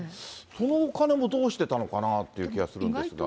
そのお金もどうしてたのかなという気もするんですが。